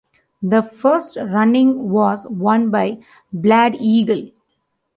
The first running was won by Bald Eagle.